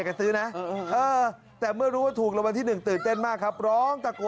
น้องน้ำหวานแอดมินสุดสวยของเรานะคะ